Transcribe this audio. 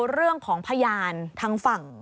เรื่องของพยานทางฝั่ง